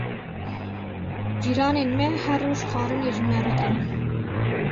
Cîranên me her roj xwarinê ji me re tînin.